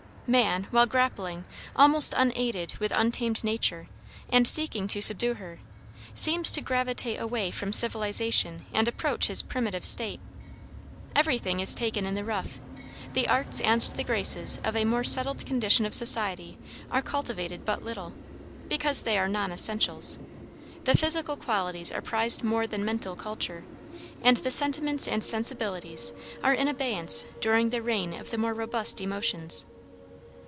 Man, while grappling, almost unaided, with untamed nature, and seeking to subdue her, seems to gravitate away from civilization and approach his primitive state. Everything is taken in the rough; the arts and the graces of a more settled condition of society are cultivated but little, because they are non essentials. The physical qualities are prized more than mental culture, and the sentiments and sensibilities are in abeyance during the reign of the more robust emotions.